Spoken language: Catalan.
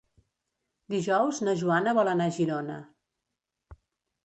Dijous na Joana vol anar a Girona.